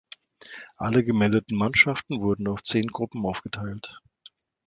Alle gemeldeten Mannschaften wurden auf zehn Gruppen aufgeteilt.